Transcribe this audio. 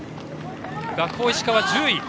学法石川、１０位。